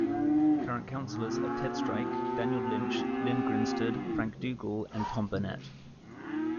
Current councillors are Ted Strike, Daniel Lynch, Lynn Grinstead, Frank Dugal and Tom Burnette.